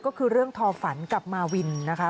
ก็คือเรื่องทอฝันกับมาวินนะคะ